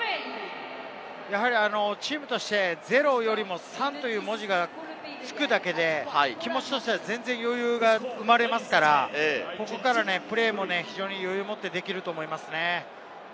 チームとして、０よりも３という文字が付くだけで、気持ちとしては余裕が生まれますから、ここからプレーも余裕をもってできると思いますね。